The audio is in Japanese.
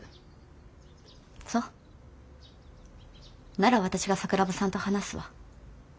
なら私が桜庭さんと話すわ。